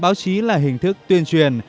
báo chí là hình thức tuyên truyền